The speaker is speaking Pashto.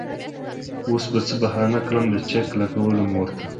وس به څۀ بهانه کړمه د چک لګولو مور ته